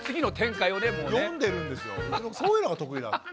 そういうのが得意なんです。